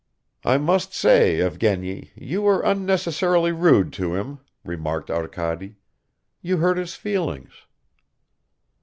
"I must say, Evgeny, you were unnecessarily rude to him," remarked Arkady. "You hurt his feelings."